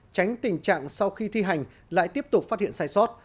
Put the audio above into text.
tránh tình trạng sau khi thi hành lại tiếp tục phát hiện sai sót